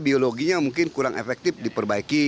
biologinya mungkin kurang efektif diperbaiki